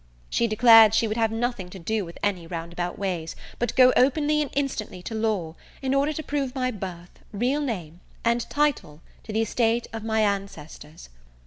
She declared that she would have nothing to do with any roundabout ways, but go openly and instantly to law, in order to prove my birth, real name, and title to the estate of my ancestors.